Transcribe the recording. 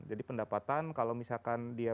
jadi pendapatan kalau misalkan dia